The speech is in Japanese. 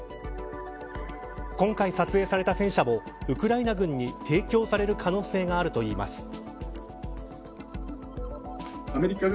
今回撮影された戦車もウクライナ軍に提供される可能性があるといいます。